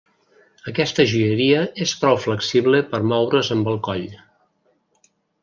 Aquesta joieria és prou flexible per moure's amb el coll.